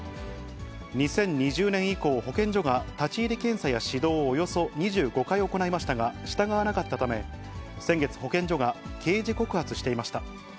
２０２０年以降、保健所が立ち入り検査や指導をおよそ２５回行いましたが、従わなかったため、先月、保健所が刑事告発していました。